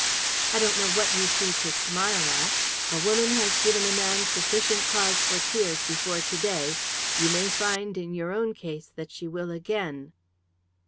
"I don't know what you see to smile at. A woman has given a man sufficient cause for tears before to day. You may find, in your own case, that she will again."